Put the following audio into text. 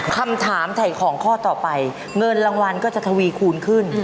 คำถามถ่ายของข้อต่อไปเงินรางวัลก็จะทวีคูณขึ้น